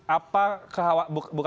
apa yang anda ingin mengatakan